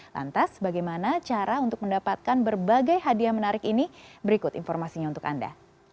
lantas bagaimana cara untuk mendapatkan berbagai hadiah menarik ini berikut informasinya untuk anda